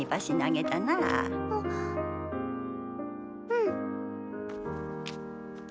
うん。